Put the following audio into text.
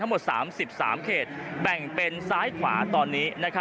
หมด๓๓เขตแบ่งเป็นซ้ายขวาตอนนี้